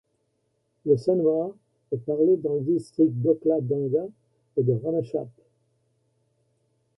Le sunwar est parlé dans les districts d'Okhladhunga et de Ramechhap.